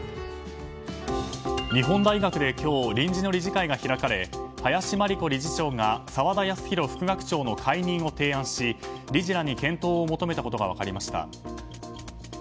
日本大学で今日臨時の理事会が開かれ林真理子理事長が澤田康広副学長の解任を提案し、理事らに検討を求めたことが分かりました。